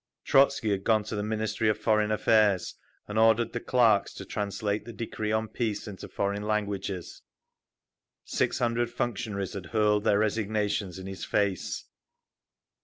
Trotzky had gone to the Ministry of Foreign Affairs and ordered the clerks to translate the Decree on Peace into foreign languages; six hundred functionaries had hurled their resignations in his face….